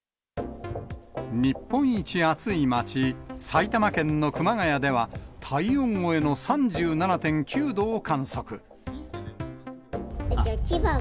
日本一暑いまち、埼玉県の熊谷では、体温超えの３７．９度を観測。